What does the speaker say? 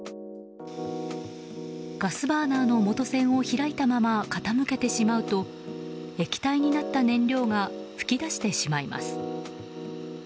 ガスバーナーの元栓を開いたまま傾けてしまうと液体になった燃料が噴き出してしまいます。